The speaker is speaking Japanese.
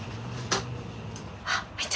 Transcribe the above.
あっ見て！